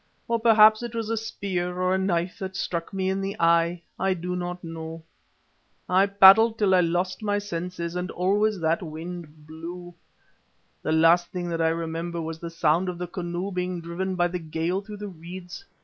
Or perhaps it was a spear or a knife that struck me in the eye, I do not know. I paddled till I lost my senses and always that wind blew. The last thing that I remember was the sound of the canoe being driven by the gale through reeds.